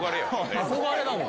憧れだもん。